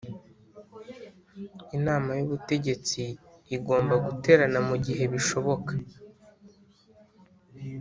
Inama y’ Ubutegetsi igomba guterana mu gihe bishoboka